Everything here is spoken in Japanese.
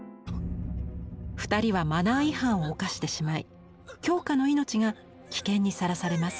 ２人はマナー違反を犯してしまい京香の命が危険にさらされます。